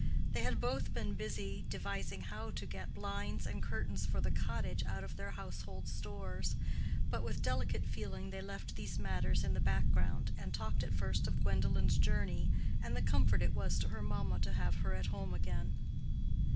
They had both been busy devising how to get blinds and curtains for the cottage out of the household stores; but with delicate feeling they left these matters in the background, and talked at first of Gwendolen's journey, and the comfort it was to her mamma to have her at home again.